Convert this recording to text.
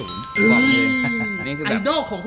สวัสดีค่ะ